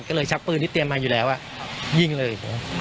ก็เลยชักปืนที่เตรียมมาอยู่แล้วยิงเลย